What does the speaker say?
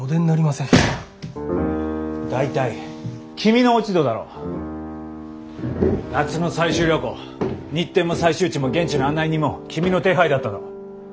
大体君の落ち度だろう！夏の採集旅行日程も採集地も現地の案内人も君の手配だったろう？